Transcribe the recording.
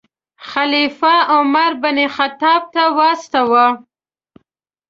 خلیفه عمر بن خطاب ته واستاوه.